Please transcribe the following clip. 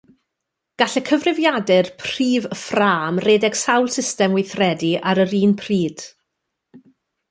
Gall y cyfrifiadur prif ffrâm redeg sawl system weithredu ar yr un pryd.